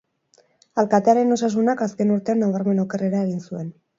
Alkatearen osasunak azken urtean nabarmen okerrera egin zuen.